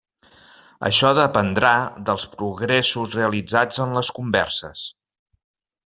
Això dependrà dels progressos realitzats en les converses.